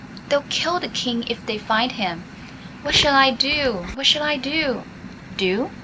They'll kill the King if they find him. What shall I do? What shall I do?" "Do?"